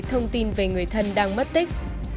thông tin về người thân đang mất tích